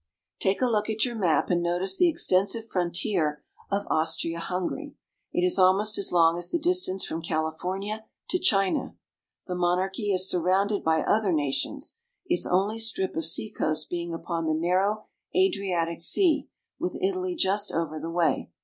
Take a look at your map and notice the extensive frontier of Austria Hungary. It is almost as long as the distance from California to China. The monarchy is sur rounded by other nations, its only strip of seacoast being upon the narrow Adriatic Sea, with Italy just over the way.